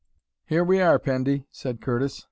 "Here we are, Pendy!" said Curtis.